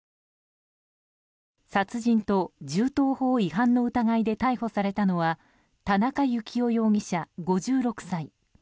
殺人と銃刀法違反の疑いで逮捕されたのは田中幸雄容疑者、５６歳。